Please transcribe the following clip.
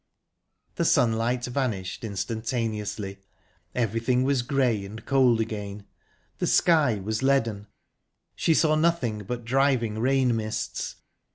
The sunlight vanished instantaneously. Everything was grey and cold again, the sky was leaden; she saw nothing but driving rain mists